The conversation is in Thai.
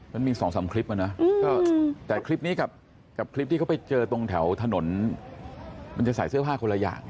มันมี๒๓คลิปอะนะแต่คลิปนี้กับคลิปที่เขาไปเจอตรงแถวถนนมันจะใส่เสื้อผ้าคนละอย่าง